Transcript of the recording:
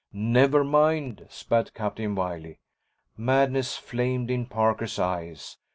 "Never mind!" spat Captain Wiley. Madness flamed in Parker's eyes.